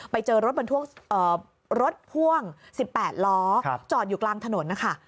ไปเจอรถบรรทุกรถพ่วง๑๘ล้อจอดอยู่กลางถนนนะคะ